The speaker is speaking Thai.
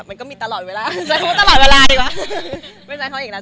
มันก็มีตลอดเวลาใช้คำว่าตลอดเวลาดีกว่า